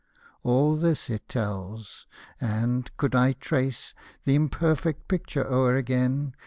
— All this it tells, and, could I trace Th' imperfect picture o'er again.